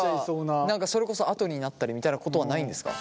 何かそれこそ跡になったりみたいなことはないんですか？